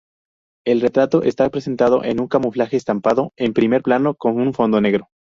El retrato está presentado en un camuflaje-estampado en primer plano con un fondo negro.